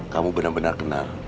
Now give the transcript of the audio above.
kamu benar benar kenal